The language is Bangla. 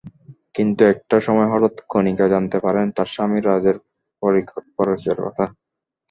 কিন্তু একটা সময় হঠাৎ কণিকা জানতে পারেন তাঁর স্বামী রাজের পরকীয়ার কথা।